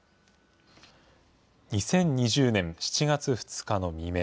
２０２０年７月２日の未明。